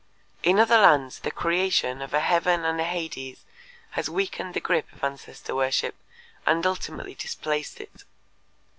In other lands the creation of a heaven and a hades has weakened the grip of ancestor worship and ultimately displaced it.